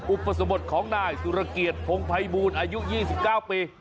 อุปสมบทของนายสุรเกียรติพงภัยบูรณ์อายุ๒๙ปี